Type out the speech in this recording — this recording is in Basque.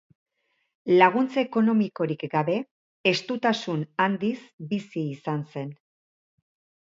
Laguntza ekonomikorik gabe, estutasun handiz bizi izan zen.